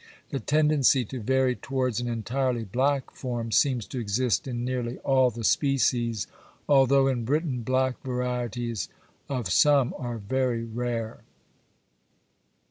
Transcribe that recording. The tendency to vary towards an entirely black form seems to exist in nearly all the species, although in Britain black varieties of some are very rare.